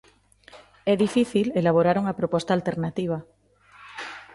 É difícil elaborar unha proposta alternativa.